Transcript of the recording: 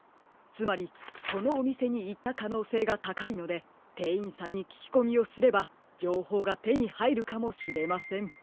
つまりこのおみせにいったかのうせいがたかいのでてんいんさんにききこみをすればじょうほうがてにはいるかもしれません。